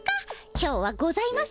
今日はございません。